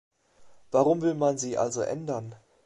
Warum will man sie also ändern?